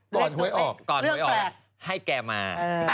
ก่อนหวยออกให้แกมา